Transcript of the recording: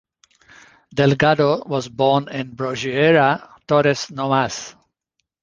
Delgado was born in Brogueira, Torres Novas.